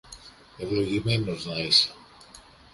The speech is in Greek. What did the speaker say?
Ευλογημένος να είσαι!